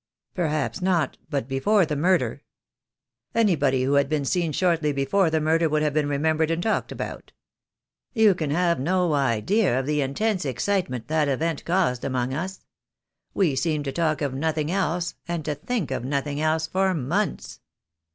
"Perhaps not — but before the murder " "Anybody wTho had been seen shortly before the murder would have been remembered and talked about. You can have no idea of the intense excitement that event caused among us. We seemed to talk of nothing else, and to think of nothing else for months."